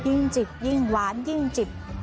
ยิ่งจิกยิ่งหวานยิ่งจิก